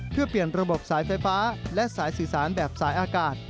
เพื่อเปลี่ยนระบบสายไฟฟ้าและสายสื่อสารแบบสายอากาศ